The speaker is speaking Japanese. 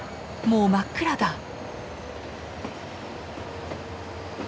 もう真っ暗だ。